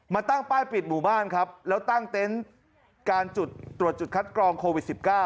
ตั้งป้ายปิดหมู่บ้านครับแล้วตั้งเต็นต์การจุดตรวจจุดคัดกรองโควิด๑๙